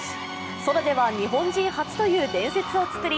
ソロでは日本人初という伝説を作り